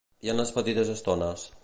I en les petites estones?